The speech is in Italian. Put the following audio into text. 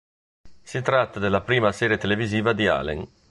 Si tratta della prima serie televisiva di Allen.